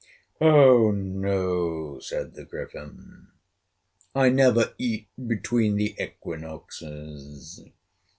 "Oh, no," said the Griffin, "I never eat between the equinoxes.